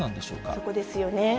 そこですよね。